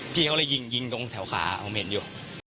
พี่เขาเลยยิงยิงตรงแถวขาผมเห็นอยู่